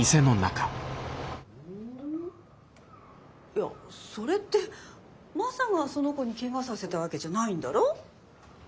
いやそれってマサがその子にケガさせたわけじゃないんだろ？